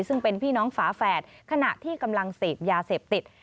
ซึ่งเป็นพี่น้องฝาแฝดขณะที่กำลังเสพยาเสพติด